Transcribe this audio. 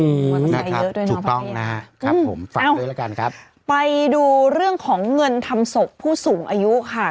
มันตรายเยอะด้วยเนอะพระเจนอืมเอ้าไปดูเรื่องของเงินทำศกผู้สูงอายุค่ะ